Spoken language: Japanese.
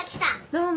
どうも。